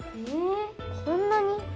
えこんなに？